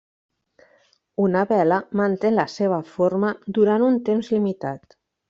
Una vela manté la seva forma durant un temps limitat.